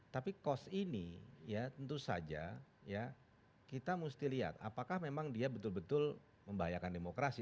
tapi cost ini ya tentu saja ya kita mesti lihat apakah memang dia betul betul membahayakan demokrasi